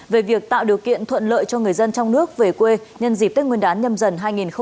về việc tạo điều kiện thuận lợi cho người dân trong nước về quê nhân dịp tết nguyên đán nhâm dần hai nghìn hai mươi